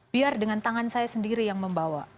biar dengan tangan saya sendiri yang membawa